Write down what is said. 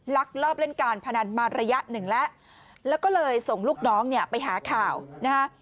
ลักลอบเล่นการพนันมาระยะหนึ่งแล้วแล้วก็เลยส่งลูกน้องเนี่ยไปหาข่าวนะฮะ